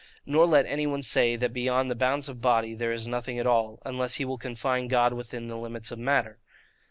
Nor let any one say, that beyond the bounds of body, there is nothing at all; unless he will confine God within the limits of matter.